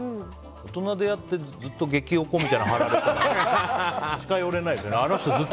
大人でやって、ずっと激おこみたいなの貼られても近寄れないですよね。